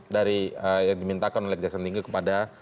dari yang dimintakan oleh kejaksaan tinggi kepada